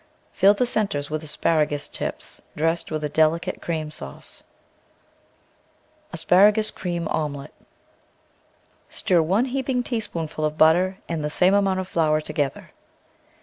Fill the centres with asparagus tips dressed with a delicate cream sauce. THE VEGETABLE GARDEN ASPARAGUS CREAM OMELETTE Stir one heaping tablespoonful of butter and the same amount of flour together.